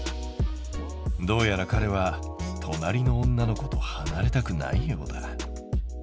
どうやらかれは隣の女の子とはなれたくないようだ。